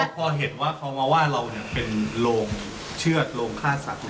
พอเห็นว่าเขามาว่าเราเป็นโรงเชือกโรงฆ่าสัตว์